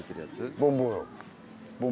ボンボン。